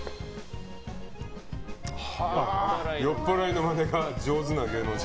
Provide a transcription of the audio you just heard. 酔っ払いのマネが上手な芸能人？